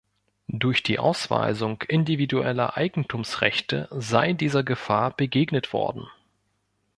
Durch die Ausweisung individueller Eigentumsrechte sei dieser Gefahr begegnet worden.